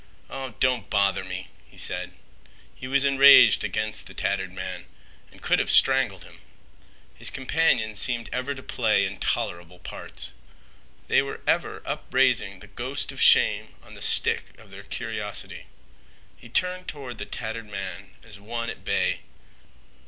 "Oh, don't bother me!" he said. He was enraged against the tattered man, and could have strangled him. His companions seemed ever to play intolerable parts. They were ever upraising the ghost of shame on the stick of their curiosity. He turned toward the tattered man as one at bay.